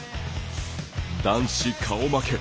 男子顔負け。